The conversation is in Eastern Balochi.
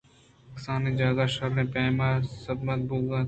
کسانیں جاگہ شرّیں پیمے ءَ سمبہینگ بوتگ اَت